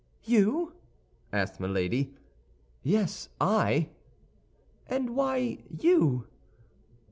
"You?" asked Milady. "Yes, I." "And why _you?